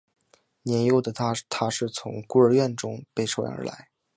年幼的他是从孤儿院中被收养而来。